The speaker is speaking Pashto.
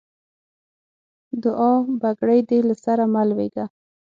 دوعا؛ بګړۍ دې له سره مه لوېږه.